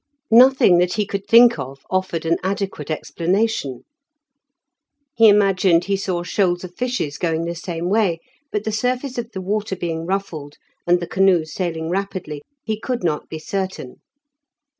Nothing that he could think of offered an adequate explanation. He imagined he saw shoals of fishes going the same way, but the surface of the water being ruffled, and the canoe sailing rapidly, he could not be certain.